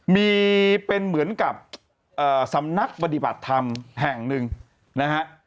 มีเป็นเหมือนกับสำนักปฏิบัติธรรมแห่งหนึ่งนะฮะ